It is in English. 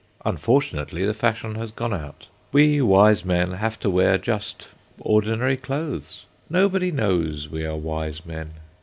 Unfortunately, the fashion has gone out. We wise men have to wear just ordinary clothes. Nobody knows we are wise men.